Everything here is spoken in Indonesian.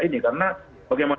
ini karena bagaimana